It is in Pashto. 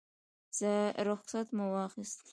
رخصت مو واخیست.